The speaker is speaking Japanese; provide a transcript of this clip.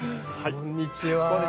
こんにちは。